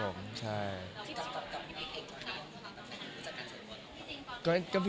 บอกเรียบร้อยแล้วก็ยังไม่ได้มีอะไรครับผม